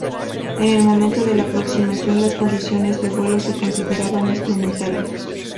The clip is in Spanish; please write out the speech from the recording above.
En el momento de la aproximación las condiciones de vuelo se consideraban instrumentales.